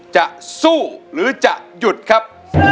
จะสู้หรือจะหยุดครับ